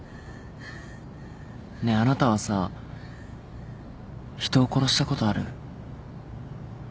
ねえあなたはさ人を殺したことある？